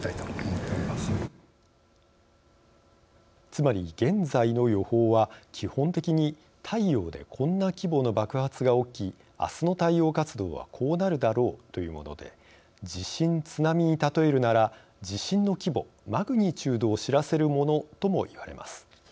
つまり現在の予報は基本的に「太陽でこんな規模の爆発が起きあすの太陽活動はこうなるだろう」というもので地震・津波に例えるなら地震の規模マグニチュードを知らせるものともいわれます。